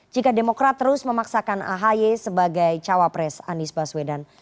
jika demokrat terus memaksakan ahy sebagai cawapres anies baswedan